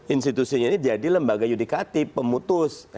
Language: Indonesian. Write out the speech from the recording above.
institusinya ini jadi lembaga yudikatif pemutus